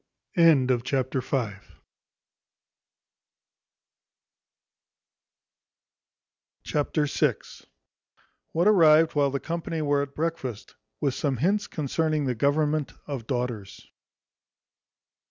Chapter vi. What arrived while the company were at breakfast, with some hints concerning the government of daughters.